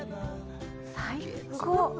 最高！